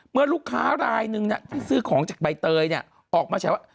เมื่อลูกค้ารายนึงที่ซื้อของจากใบเตยออกมาแฉว่า